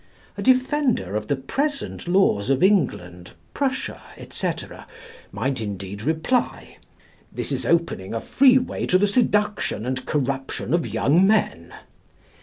A defender of the present laws of England, Prussia, &c., might indeed reply: "This is opening a free way to the seduction and corruption of young men."